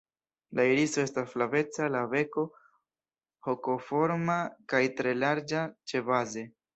La iriso estas flaveca, la beko hokoforma kaj tre larĝa ĉebaze.